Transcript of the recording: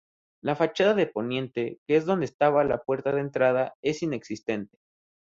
La fachada de poniente, que es donde estaba la puerta de entrada, es inexistente.